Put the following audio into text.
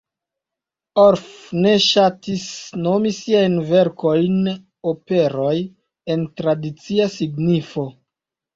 Orff ne ŝatis nomi siajn verkojn "operoj" en tradicia signifo.